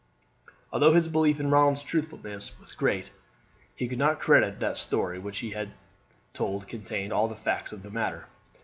Although his belief in Ronald's truthfulness was great he could not credit that the story which he had told contained all the facts of the matter.